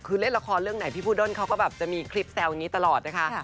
คือเล่นละครเรื่องไหนพี่พูเดิ้นเขาก็แบบจะมีคลิปแซวอย่างนี้ตลอดนะคะ